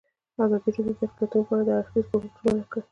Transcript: ازادي راډیو د اقلیتونه په اړه د هر اړخیز پوښښ ژمنه کړې.